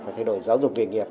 phải thay đổi giáo dục về nghiệp